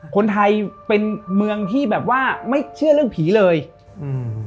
คนไทยเป็นเมืองที่แบบว่าไม่เชื่อเรื่องผีเลยอืม